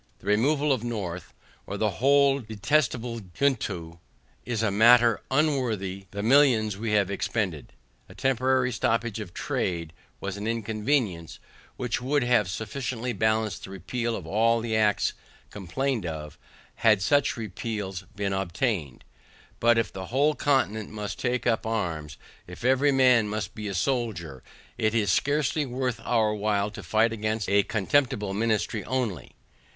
The removal of North, or the whole detestable junto, is a matter unworthy the millions we have expended. A temporary stoppage of trade, was an inconvenience, which would have sufficiently ballanced the repeal of all the acts complained of, had such repeals been obtained; but if the whole continent must take up arms, if every man must be a soldier, it is scarcely worth our while to fight against a contemptible ministry only.